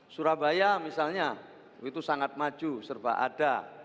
surabaya misalnya itu sangat maju serba ada